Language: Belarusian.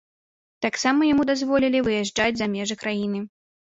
Таксама яму дазволілі выязджаць за межы краіны.